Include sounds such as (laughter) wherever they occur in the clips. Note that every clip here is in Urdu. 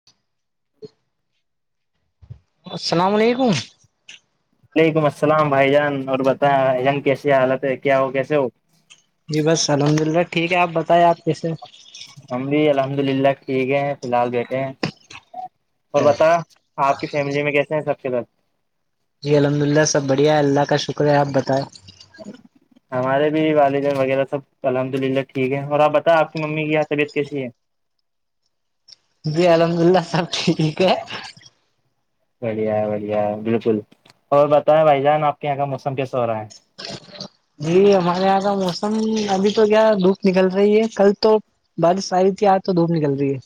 (inaudible) السلام علیکم وعلیکم السلام بھائی جان اور بتائیں بھائی جان کیسی حالت ہے کیا ہو کیسے ہو جی بس الحمد اللہ ٹھیک ہے آپ بتائییں آپ کیسے ہم بھی الحمد للہ ٹھیک ہے فی الحال بیٹھے ہیں اور بتاے ہ آپ کی فیملی میں کیسے ہیں سب کے سب جی الحمد للہ سب بڑھیا ہے اللہ کا شکر ہے آپ بتائیں جی (inaudible) ہمارے بھی والدین وغیرہ سب الحمد للہ ٹھیک ہے اور آپ بتاے آپ کی ممی کی یہ طبیعت کیسی ہے جی الحمد اللہ سب ٹھیک ہے بڑھیا ہے بڑھیا ہے بالکل اور بتائیں بھائی جان آپ کے یہاں کا موسم کیسا ہو رہا ہے جی ہمارے یہاں کا موسم ابھی تو کیا دھوپ نکل رہی ہے کل تو بارش آرہی تھی آج تو دھوپ نکل رہی ہے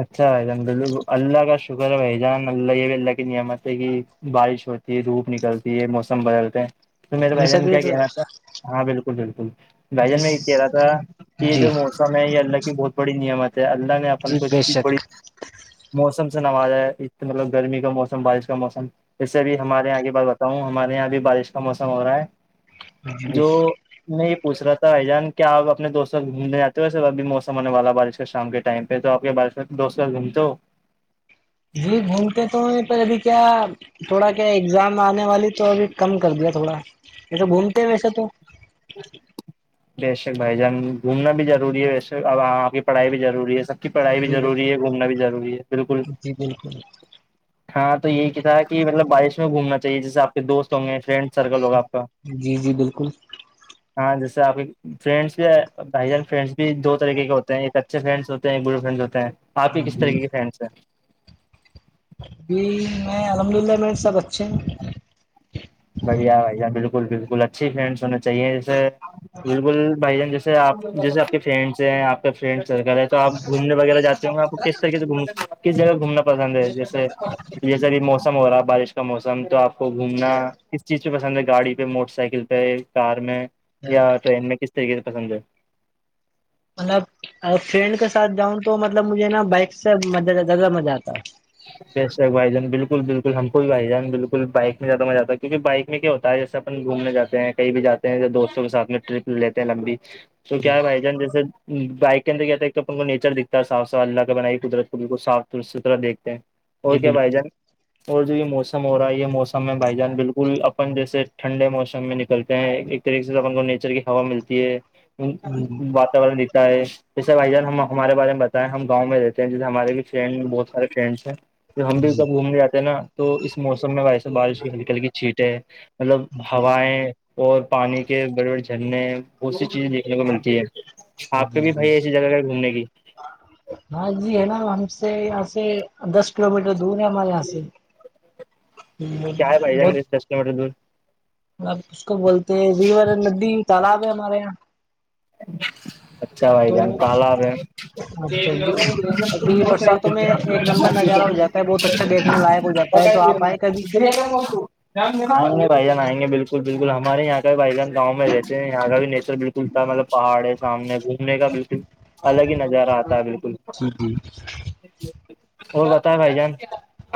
اچھا بائیان بال اللہ کا شکر ہے بھائی جان اللہ یہ بھی اللہ کی نعمت ہے کہ بارش ہوتی ہے دھوپ نکلتی ہے موسم بدلتے ہیں تو میرے یہ بھائی سب جان یہ کیا کہنا تھا ہاں بالکل بالکل بھائی جی جان میں یہ کہہ رہا تھا کہ یہ جی جو موسم ہے یہ اللہ کی بہت بڑی نعمت ہے اللہ نے اپن جی کچھ بے شک موسم سے نوازا ہے مطلب گرمی کا موسم بارش کا موسم جیسے بھی ہمارے یہاں کی بات بتاؤں ہمارے یہاں بھی بارش کا موسم ہو رہا ہے جی جو نہیں یہ پوچھ رہا تھا بھائی جان کیا آپ اپنے دوستوں گھومنے جاتے ہو سر ابھی موسم ہونے والا بارش کا شام کے ٹائم پھر تو آپ کے بعد میں دوست س گھومتے ہو جی گھومتے تو یہ پر ابھی کیا تھوڑا کیا اگزام آنے والی تو ابھی کم کر دیا تھوڑا جیسے گھومتے ہیں ویسے تو بیشک بھائی جان گھومنا بھی ضروری ہے ویسے اب آپ کی پڑھائی بھی ضروری ہے سب کی پڑھائی بھی جی بالکل ضروری ہے گھومنا بھی ضروری ہے بالکل جی بالکل ہاں تو یہی کی تھا کہ مطلب بارش میں گھومنا چاہیے جیسے آپ کے دوست ہوں گے فرینڈ سرکل ہوگا آپ کا جی جی بالکل ہاں جیسے آپ کے فرینڈس بھی بھائی جان فریڈس بھی دو طریقے کے ہوتے ہیں ایک اچھے فرینڈس ہوتے ہیں گڈ فرینڈ ہوتے ہیں آپ کے کس طرح جی کی فرینڈس ہیں جی میں الحمد للہ میرے سب اچھے ہیں بڑھیا بھیا بالکل بالکل اچھی چاہیے جیسے بالکل بھائی جان جیسے آپ جیسے آپ کے فرینڈس ہیں آپ کا فرینڈ سرکل ہے توآپ گھومنے وغیرہ جاتے ہیں آپ کو کس طریقے سے گھوم سکتے کس جگہ گھومنا پسند ہے جیسے جیسے ابھی موسم ہو رہا بارش کا موسم تو آپ کو گھومنا کس چیز پہ پسند ہے گاڑی پہ موٹر سائیکل پہ کار میں یا ٹرین میں کس س کے پسند ہے مطلب فرینڈ کے ساتھ جاؤں تو مطلب مجھے نا بائک سے زیادہ مزہ آتا ہے بےشک بائی جان بالکل بالکل ہم کو بھی بائی جان بالکل بائک میں زیادہ مزہ آتا کیونکہ بائک میں کیا ہوتا جیسے اپن گھومنے جاتے ہیں کہیں بھی جاتے ہیں دوستوں کے سات میں ٹرپ لیتے ہیں لمبی تو جی کیا ہے بھائی جان جیسے بائک کے اندر کیایا ہے تو اپ کویچر دکھتا ہے صا صاف اللہ کا بنائی قدرت کو بالکل صاف ستھرایکھتے ہیں اور جی کیا بھائی بالکل جان اور جو یہ موسم ہو رہا ہے یہ موسم میں بھائی جان بالکل اپن جیسے ٹھنڈے موسم میں نکلتے ہیں ایک طریقے سے اپ کو نیچر کی ہوا ملتی ہے واتاورن ہے جیسے بھائی جان ہمارے بارے بتاائے ہم گاؤں رہتے ہیں جیسے ہمارے فٹرینڈ میں بہت سارے ہم ہ بھی جی کب گھومنے جاتے ہیں نا تو اس موسم میں ویسے بارش ہلکی ہلکی چھیٹیں ہے مطلب ہویں اور پانی کے بڑے بڑے جھرنے بہت سی چیزیں دیکھنے کو ملتی ہے آپ کے بھی بھائی ایسی جگہ ہے گھومنے کی جی ہے نا ہم سے یہاں سے دس کلو میٹر دور ہے ہمل حے کیا ہے بھائی ج بیس دس کلو میٹر دور مطلب اس کو بولتے ہیں ریور ندی تالاب ہے ہمارے یہاں (inaudible) اچھا بھائی تو جان پال رہ ہے ابھی اری برساتوں میں ایک کا نمبر نظارہ ہو جاتا ہے بہت اچھا دیکھنے لائق ہو جاتا ہے تو آپ آئے کر کبھی آئیں گے بھائی جان آئ گے بالکل بالکل ہمارے یہاں کا بھی بھائی جان گاؤں میں رہتے ہیں یہاں کا بھی نیچر بالکل مطلب پہاڑے سامنے گھومنے کا بالکل الگ ہی نظارہ آتا ہے بالکل جی جی اور بتائے بھائی جان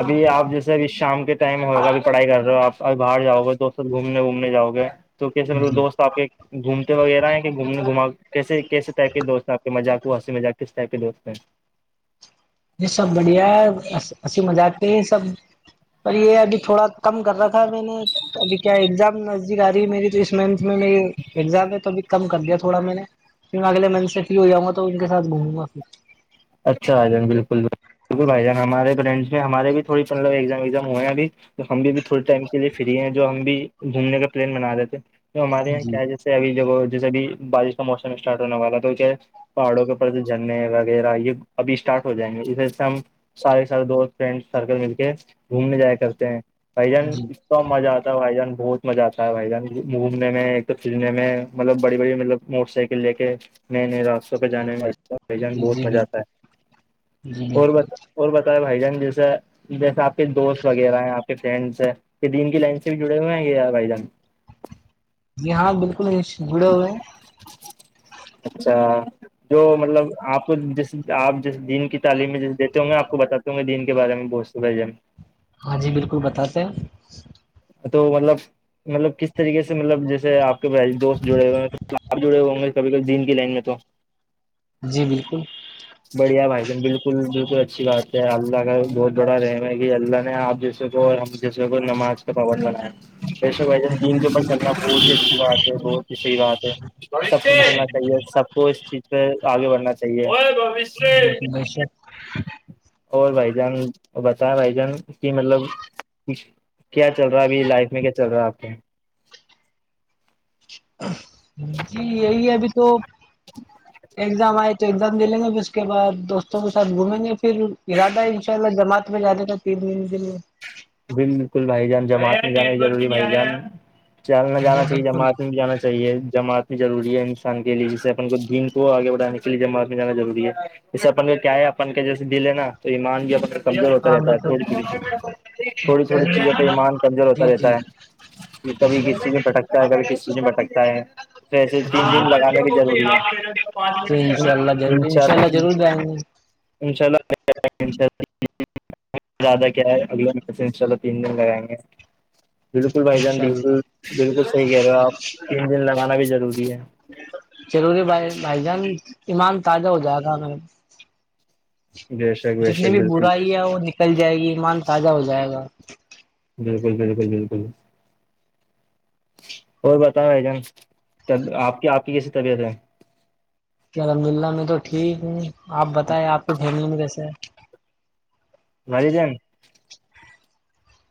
ابھی آپ جیسے اب شام کے ٹائم ہوگا اھی پڑھائی کر رہے ہو آپ ا باہر جاؤ گے دوست س گھومنے وومنے جاؤ گے تو کیسے مل جی دوست آپ کے گھومتے وغیرہ ہیں گھومنے گھا کیسے کیسے ٹائپ کے دوست ہیں آپ کے مذاق کونسی ما کس ٹائپ کے دوست ہیں یہ سب بڑھیا ہے اسسی مذاقتے ہیں سب پر یہ ابھی تھوڑا کم کر رہا تھا میں نے تو ابھی کیا ایگزام نزدیک آ رہی ہے میری تو اس منتھ میں میری ایگزام میںہ تو بھی کم کر دیا تھوڑا میں نے پھر میں اگلے منچ سے فری ہو جاں گا تو ان کے ساتھ گھوموں گا پھر اچھا بھائی جان بالکلل بالکل بھائی جان ہمارے ف ہمارے بھی تھوڑی ملزامزام ہوئے ہیں اب تو ہم بھی تھوڑے ٹائم کے لیے فری ہیں جو ہم بھی گھومنے کا پلان بنا رہے تھے تو ہمارے یہاں جی کیا سے اب جب جیسے ابھی بارش کا موسم اسٹارٹ ہونے والا تو کیا پہاڑوں کے اوپر جھرنے وغیرہ یہ ابھی اسٹارٹ ہو جائیں گے اس و سے ہم سارے سارے دوست فرینڈ سرکل مل کے گھومنے جایا کرتے ہیں بھائی جان جی اتنا مزہ آتا بھائی جان بہت مزہ آتا ہے بھائی جان گھومنے میں ایک تو پھرنے میں مطلب بڑی بڑی مطلب موٹر سائیکل لے کے میں راستوں پہ جانے میں بان جی بہت جی مزہ آتا بالکل جی بالکل اور بتائے بھائی جان جیسے جیسے آپ آ کے دوست وغیرہ ہیں آپ کے فرینڈس ہیں یہ دین کی لائن سے بھی جڑے ہوئے ہیں ار بھائی جان جی ہاں بالکل جڑے ہوئے ہیں اچھا جو مطلب آپ کو جس آپ جس دن کی تعلیم میں دیتے ہوں گے آپ کو بتے ہوںے دین کے بارے میں بو س ہاں جی بالکل بتاتے ہیں تو مطلب مطلب کس طریقے سے مطلب جیس آپ دوست جڑے ہوئےب جڑے ہوئےوں گے کبھی کب دین لائن میں تو جی بالکل بڑھیا بھائی جان بالکل بالکل اچھی بات ہے اللہ کا بہت بڑا رحم ہے کہ اللہ نے آپ تو ہم جیسے کو نماز کا پاون بنائے ہیں ویسے ویسے دین کے چلنا بہت ہی اچھی بات ہے بہت ہی صحیح بات ہے سب کو بے سنا شک چاہیے سب کو اس چیز پہ آگے بڑھنا چاہیے ج (unintelligible) اور بھائی جان بتیں بھائی جان کی مطلب کیا چل رہا ہے ابھی لائف میں کیا چل رہا ہے آپ کے جی یہی ہے ابھی تو ایگزام آئے تو ایگزام دے لیں گے پھر اس کے بعد دوستوں کے ساتھ گھومیں گے پھر پھر ارادہ ہے ان شاء اللہ جماعت میں جانے کا تین تین دن بالکل بھائی جان جماعت میں جانانی ضروری بھائی جان چلنا جی جانا چاہیے بالکل جماعت میں بھی جانا چاہیے جمع ضروری ہے انسان کے لیے جسے اپن کو دین کو آگے بڑھانے کے لیے جماعت میں جانا روری ہے جے اپن کو کیا ہے اپن کے جیسے دل ہے نا تو ایمان بھی اپ کا کمزور ہوتا ہاں رہتا بالکل ہے تھوڑی تھوڑی چیزوں پہ ایمان کمزور ہوتا جی رہتا جی ہے یہ کبھی کس چیزیں بٹکتا ہے کبھی کس چیز میں بٹکتا ہے پسے تین دن لگانے کی جلی تو ان شاء اللہ ضرور ان اناء شاء اللہ ضرور جائیں گے ان شاء اللہ زدہ کیا ہے ع چلو تین دن لگائیں گے بالکل بھائی ان جان شاء اللہ بالکل بالکل صحیح کہہ رہے ہو آپ تین دن لگانا بھی ضروری ہے ضروری بھائی بھائی جان ایمان تازہ ہو جائے گ ان بے شک بے جتنی شک بھی بالکل برئی ہے وہ نکل جائے گی ای مان تازہ ہو جائے گا بالکل بالکل بالکل اور بتائیں اجان آپ کی آپ کی کیسی طبیعت ہے کیا الحمد اللہ میں تو ٹھیک ہوں آپ بتائائے آپ کی فیملی میں کیسے ہے بری جین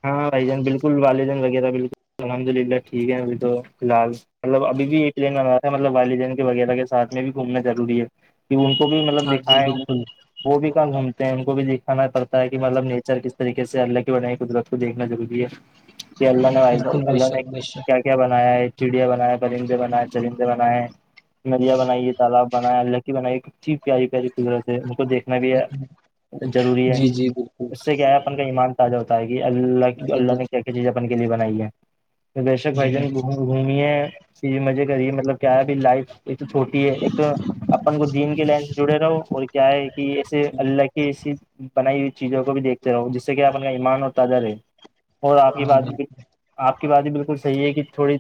ہاں بھائی جان بالکل وال جان وغیرہ بالکل الحمد للہ ٹھیک ہے ابھی تو فی الحال مطلب ابھی بھی ایک دین آا تھا مطلب والدین کے وغیرہ کے ساتھ میں بھی گھومنا ضروری ہے کہ ان کو بھی مطلب ہاں دکھیں جی وہ بالکل وہ بھی کہاں گھومتے ہیں ان کو بھی دکھانا پڑتا ہے کہ مطلب نیچر کس طریقے سے اللہ کی بنائی کی قدرت کو دیکھنا ضروری ہے کہ اللہ نے بالکل بے اللہ نے شک بے کیا کیا بنایا ہے چڑیا بنایا ہے پرندے بنائے ہیں چندے بنائے ہیں مدھیا بنائیے تالاب بنائےیا ال لکی بائیے اچ پیاری پیاری قدرت ہے ان کو دیکھنا بھی ہے شک ضروری ہے جی جی بالکل اس سے کیا ہے اپن کا ایمان تازہ ہوتا ہے کہ اللہ کی جی اللہ نے کیا بالکل کیا چیز اپنے کے لیے بنائی ہے بشک بھجن گ گھمیے چیز مزے کریے مطلب کیا ہے ابھی لائف ایک تو چھوٹی ہے ایک تو اپن کو دین کے لائن سے جڑے رہو اور کیا ہے کہ ایسے اللہ کی ایسی بنائی ہوئی چیزوں کو بھی دیکھتے رہو جس سے کہ آپ اپ کا ایمان اور تادر ہے اور آپ کی جی بات بالکل آپ کی بات بھی بالکل صحیح ہے کہ تھوڑی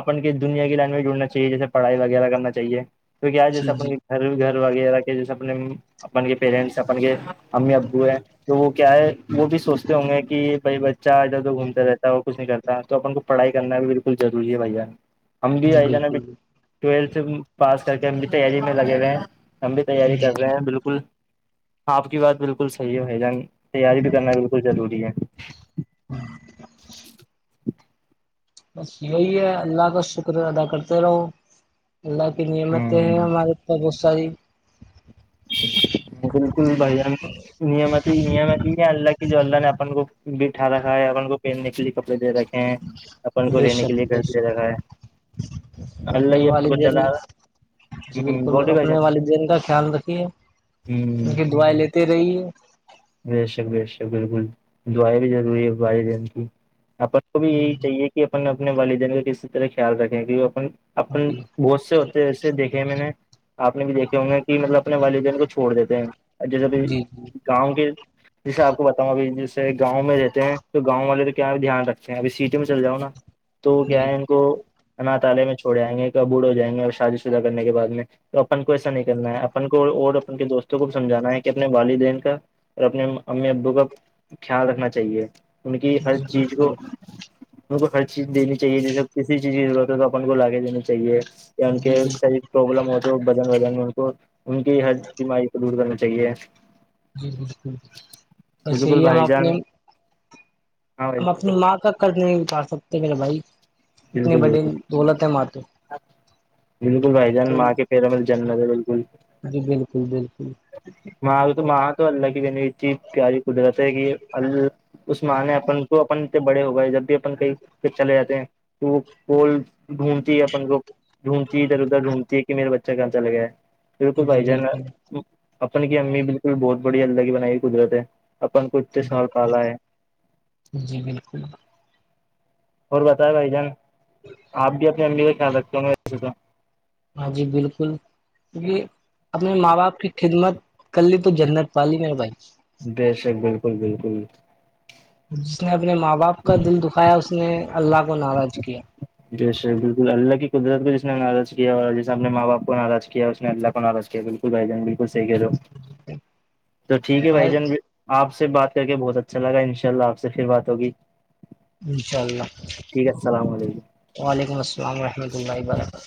اپن کی دنیا کی لینگویج ڈڑنا چاہیے جیسے پڑھائی وغیرہ کرنا چاہیے کی کیا جیسے جی جی اپنے گھر گھر وغیرہ کے جیسے اپنے اپن کے پیرنٹس اپن کے امی ابو ہیں تو وہ کیا ہے وہ بھی سوچتے ہوں گے یہ بھائی ب بچہ ج گھومتا رہتا ہے اور کچھ نہیں کرتا تو اپن کو پڑھائی کرنا بھی بالکل ضروری ہے بھیا ہم بھی جی آئی جان ناب بالکل ٹویلتھ پاس کر کے ہم بھی تیاری میں لگے ہوئے ہیں ہم بھی تیاری جی کر رہے جی ہیں بالکل بالکل ہ آپ کی بات بالکل صحیح ہے بھائی جان تیاری بھی کرنا بالکل ضروری ہے ہاں (unintelligible) بس یہی ہے اللہ کا شکر ادا کرتے رہو اللہ کی نعمتیں ہوں ہیں ہمارے بہت ساری بالکل بھائی جان نیمت ہی نیامتی ہی ہے اللہ کی جو اللہ نے اپپ کو بھیٹھا کاائے آپ کو پہننے کے لیے کپڑے دے رکھے ہیں اپن کو لینے کے لیے گھر دے رکھا ہے اللہ رکھنے ہی اپن کو والدین چلا جی رہا بالکل بولی بھائی جان رکھنے والدین کا خیال رکھیے ان ہ کی دعائ لیتے رہیے بے شک بے شک بالکل دعائیں بھی ضروری ہے بائی دین کی آ کو بھی یہی چاہیے کہ کہ اپن اپنے والدین کو کسی طرح خیال رکھیں کی اپن جی بہت سے ہوتے ہیں دیکھے میں نے آپ نے بھی دیکھے ہوںے کہ مطلب اپنے والدین کو چھوڑ دیتے ہیں جیسے بھی جی گاؤں کے جیسے آپ کو بتاؤں ا جیسے گاؤں میں رہتے ہیں تو گاؤں والے تو کیا دھیان رکھ ابھی سیٹی میں چل جاؤں نا تو کیا جی جی ہے ان کو تالے میں چھوڑ جائیں گے کب بوڑ ہو جائیں گے اور شادی شدہ کرنے کے بعد میں تو اپن کو ایسا نکلنا ہے اپن کو اور اپن کے دوستوں کو بھی سمجھانا ہے کہ اپنے والدین کا اور اپنے امی ابو کا خیال رکھنا چاہیے ان کی جی ہر جی چیز کو بالکل ان کو ہر چیز دینی چاہیے جیسے کسی چیز کی ضرورت ہے تو اپن کو لاے دینی چاہیے ان جی کے بالکل سح پرابلم ہوتی جو بدن ودن ہے ان کو ان کی ہر بیماری کو دور کرنا چاہیے جیک پھے بالکل یہ ہم بھائی اپنے جان ہاں بھائی ہم جان بولو۔ اپنی ماں کا قرض نہیں اتار سکتے میرے بھائی اتنے بالکل بڑے بالکل دولت ہے ماں تو بالکل بھائی جان تو ماں کے پیرا مل جننے تھا بالکل جی بالکل بالکل ماں تو مہ تو اللہ کہ ین وچی پیاری قدرت ہے کہ ال اس معنی اپن کو اپن بڑے ہوگئے جب بھی اپن کئی چلے جاتے ہیں تو وہ پول ڈھونڈتی ہے اپن کو ڈھونڈتی ہے ادھر ادھر ڈھونڈھتی ہے کہ میرا بچہ کونسا لگا ہے بالکل جی بھائی جانا بالکل اپن کی امی بالکل بہت بڑی الدگی بنائی گ قدرت ہے اپن کچھ بک جی بالکل اور بتائیں بھائی جان آپ بھی اپ فیملی کا خیال رکھتے ہوں گے ویسے تو ہاں جی بالکل یہ اپنے ماں باپ کی خدمت کللی تو جنت پالی میرا بھائی بے شک بالکل بالکل جس نے اپنے ماں باپ کا دل دکھایا اس نے اللہ کو ناراض کیا جیسے بالکل اللہ کی قدرت کو جس نے ناراض کیا اور جس اپنے ماں باپ کو ناراض کیا اس نے اللہ کو ناراض کیا بالکل بک بھائی جان بالکل صحیح کہ رہو تو ٹھیک ہے بھائی جان آپ سے بات کر کے بہت اچھا لگا ان شاء اللہ آپ سے پھر بات ہوگی انشاء اللہ ٹھیک ہے السلام علیکم وعلیکم السلام ورحمۃ اللہ و برکاتہ